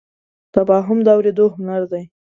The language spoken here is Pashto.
تفاهم د اورېدو هنر دی.